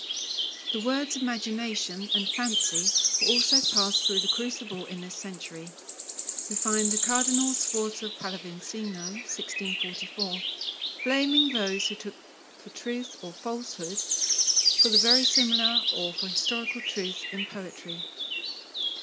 The words "imagination" and "fancy" were also passed through the crucible in this century. We find the Cardinal Sforza Pallavicino (1644) blaming those who look for truth or falsehood, for the verisimilar or for historical truth, in poetry.